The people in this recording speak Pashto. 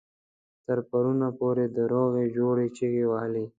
تر پرونه پورې د روغې جوړې چيغې وهلې.